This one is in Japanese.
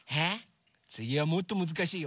つぎはもっとむずかしいよ。